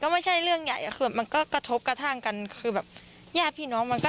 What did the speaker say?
ไม่ให้อะไรอย่างนี้ค่ะ